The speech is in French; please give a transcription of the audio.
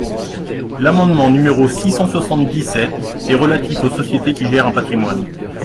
L’amendement numéro six cent soixante-dix-sept est relatif aux sociétés qui gèrent un patrimoine.